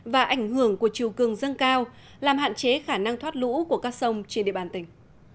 và ảnh hưởng của chiều cường dâng cao làm hạn chế khả năng thoát lũ của các sông trên địa bàn tỉnh